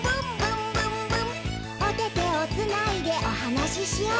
「おててをつないでおはなししよう」